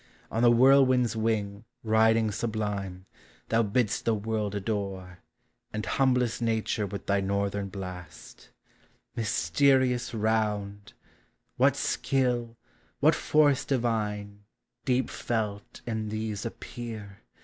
on the whirlwind's wing Riding sublime, thou bidd'st the world adore, And humblest nature with thy northern blast. 70 THE SEASONS. 71 Mysterious round ! what skill, what force divine, Deep felt, in these appear!